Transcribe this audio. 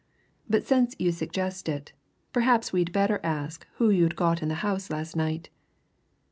"But since you suggest it, perhaps we'd better ask who you'd got in the house last night."